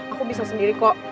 aku bisa sendiri kok